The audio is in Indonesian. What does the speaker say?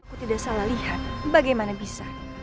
aku tidak salah lihat bagaimana bisa